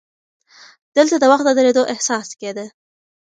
دلته د وخت د درېدو احساس کېده.